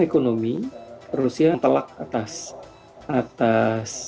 ekonomi rusia telak atas